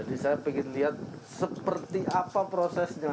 jadi saya ingin lihat seperti apa prosesnya